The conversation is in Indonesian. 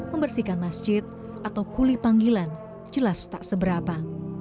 membersihkan masjid atau kuli panggilan jelas tak seberapa